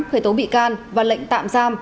khởi tố bị can và lệnh tạm giam